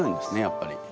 やっぱり。